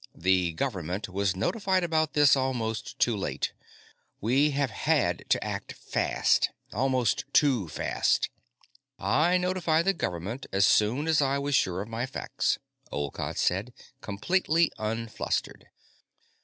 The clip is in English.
"The Government was notified about this almost too late; we have had to act fast. Almost too fast." "I notified the Government as soon as I was sure of my facts," Olcott said, completely unflustered.